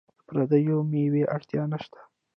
د پردیو میوو اړتیا نشته.